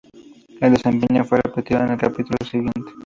El desempeño fue repetido en el capítulo siguiente.